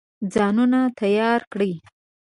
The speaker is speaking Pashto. ځانونه تیار کړي.